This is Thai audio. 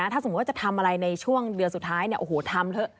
ถ้าสมมุติว่าจะทำอะไรในช่วงเดือนสุดท้ายเนี่ยโอ้โหทำเถอะ